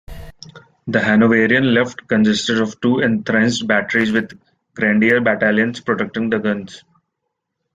The Hanoverian left consisted of two entrenched batteries, with grenadier battalions protecting the guns.